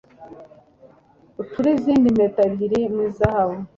Ucure izindi mpeta ebyiri mu izahabu